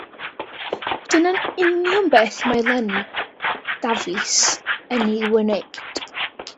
Dyna'n union beth mae Lenni Dafis yn ei wneud.